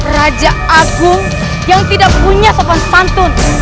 raja agung yang tidak punya sopan santun